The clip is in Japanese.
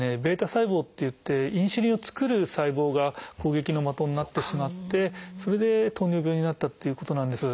β細胞っていってインスリンを作る細胞が攻撃の的になってしまってそれで糖尿病になったということなんです。